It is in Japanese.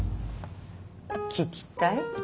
聞きたい？